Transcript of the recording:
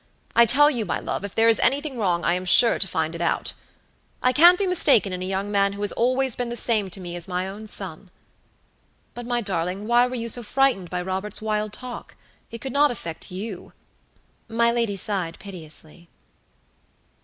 I tell you, my love, if there is anything wrong I am sure to find it out. I can't be mistaken in a young man who has always been the same to me as my own son. But, my darling, why were you so frightened by Robert's wild talk? It could not affect you." My lady sighed piteously.